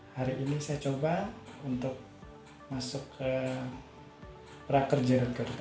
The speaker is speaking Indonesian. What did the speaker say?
hari ini saya coba untuk masuk ke prakerja